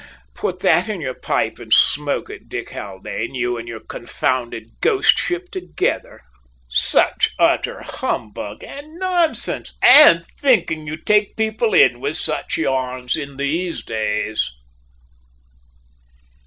Put that in your pipe and smoke it, Dick Haldane; you and your confounded `ghost ship' together! Such utter humbug and nonsense, and thinking you take people in with such yarns in these days!"